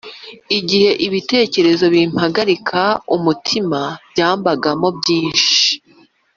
“Igihe ibitekerezo bimpagarika umutima byambagamo byinshi